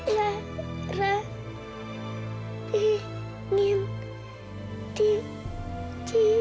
lara ingin ditium